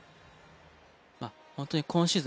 まあ本当に今シーズン